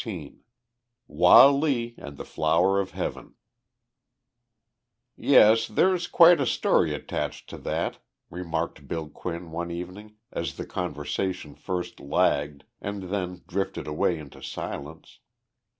XIV WAH LEE AND THE FLOWER OF HEAVEN "Yes, there's quite a story attached to that," remarked Bill Quinn one evening as the conversation first lagged and then drifted away into silence.